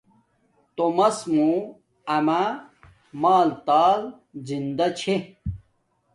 تومس موں اما مال تال زندہ چھے